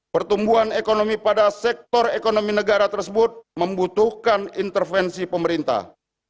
pertumbuhan ekonomi pada sektor ekonomi negara tersebut membutuhkan intervensi pemerintah